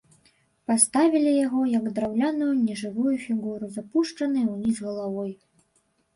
Паставілі яго, як драўляную нежывую фігуру з апушчанай уніз галавой.